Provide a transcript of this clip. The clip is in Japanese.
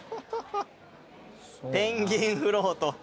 ペンギンフロート。